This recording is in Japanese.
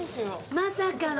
まさかの。